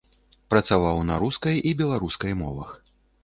Працаваў на рускай і беларускай мовах.